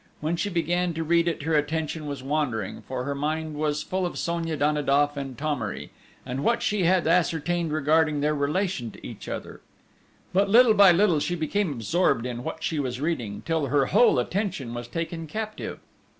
When she began to read it her attention was wandering, for her mind was full of Sonia Danidoff and Thomery, and what she had ascertained regarding their relation to each other; but little by little she became absorbed in what she was reading, till her whole attention was taken captive.